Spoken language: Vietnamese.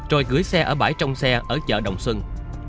rồi gửi xe ở bãi trong xe ở chợ đồng xuân